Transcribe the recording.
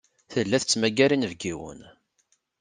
Tella tettmagar inebgiwen.